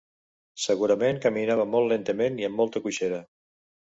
Segurament caminava molt lentament i amb molta coixera.